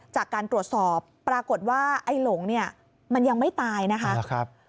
จากการตรวจสอบปรากฏว่าไอ้หลงเนี่ยมันยังไม่ตายนะคะ